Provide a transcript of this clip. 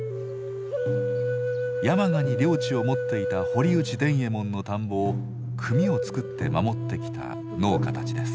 山鹿に領地を持っていた堀内伝右衛門の田んぼを組を作って守ってきた農家たちです。